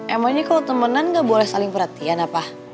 emangnya kalau temenan gak boleh saling perhatian apa